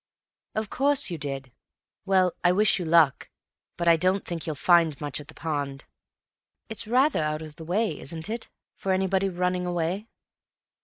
"Of course you did. Well, I wish you luck. But I don't think you'll find much at the pond. It's rather out of the way, isn't it, for anybody running away?"